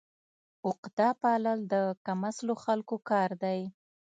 عقده پالل د کم اصلو خلکو کار دی.